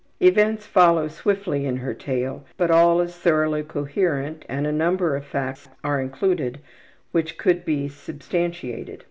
Events follow swiftly in her tale, but all is thoroughly coherent, and a number of facts are included which could be substantiated.